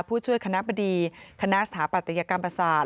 ผู้ช่วยคณะบดีคณะสถาปัตยกรรมประสาท